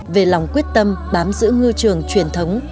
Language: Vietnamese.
về lòng quyết tâm bám giữ ngư trường truyền thống